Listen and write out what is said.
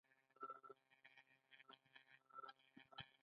د ابتدايي روښانفکرۍ زړي په سخته کرل کېږي.